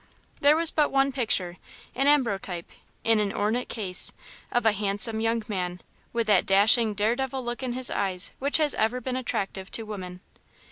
There was but one picture an ambrotype, in an ornate case, of a handsome young man, with that dashing, dare devil look in his eyes which has ever been attractive to women.